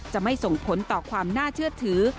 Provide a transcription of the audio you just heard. จะไม่ส่งผลต่อความน่าเชื่อถือ